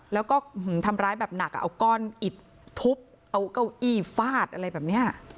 แล้วก็ทำร้ายแบบหนักเอาก้อนอิดทุบเอาเก้าอี้ฟาดอะไรแบบนี้